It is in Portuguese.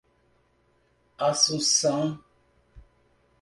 Assunção